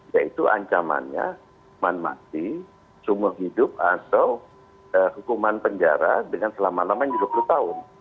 yaitu ancamannya man mati sumuh hidup atau hukuman penjara dengan selama lamanya dua puluh tahun